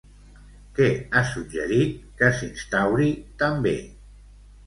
Què ha suggerit que s'instauri també?